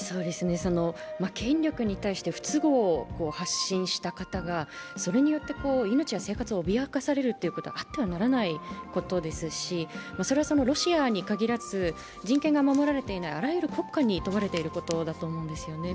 権力に対して不都合を発信した方がそれによって命や生活を脅かされるということはあってはならないことですし、それはロシアに限らず、人権が守られていないあらゆる国家に問われていることだと思うんですよね。